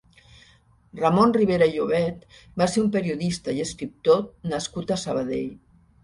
Ramon Ribera i Llobet va ser un periodista i escriptor nascut a Sabadell.